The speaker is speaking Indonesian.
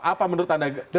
apa menurut anda